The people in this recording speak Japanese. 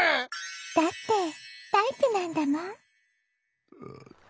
だってタイプなんだもん。